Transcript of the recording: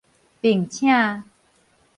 並且